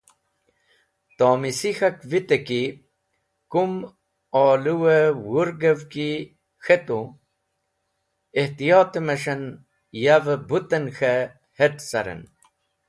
Tomsik̃hak vite ki kum olũw-e wũrgev kĩ k̃hetu, ehtiyotb mes̃hes̃h yav-e bũtn k̃he het̃ caren.